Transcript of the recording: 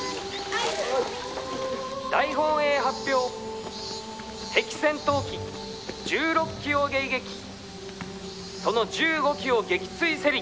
「大本営発表敵戦闘機１６機を迎撃その１５機を撃墜せり」。